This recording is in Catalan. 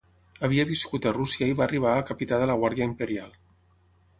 Havia viscut a Rússia i va arribar a capità de la guàrdia imperial.